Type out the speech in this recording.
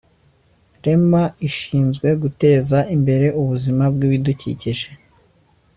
rema ishinzwe guteza imbere ubuzima bw’ ibidukikije